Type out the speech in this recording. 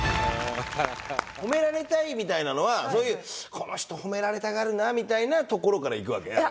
褒められたいみたいなのはそういうこの人褒められたがるなみたいなところからいくわけ？